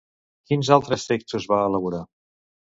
Quins altres textos va elaborar?